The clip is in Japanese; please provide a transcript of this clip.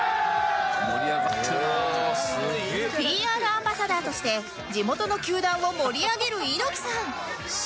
ＰＲ アンバサダーとして地元の球団を盛り上げる猪木さん